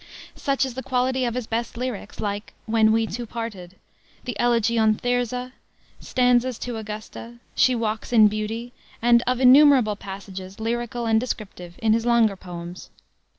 Such is the quality of his best lyrics, like When We Two Parted, the Elegy on Thyrza, Stanzas to Augusta, She Walks in Beauty, and of innumerable passages, lyrical and descriptive, in his longer poems.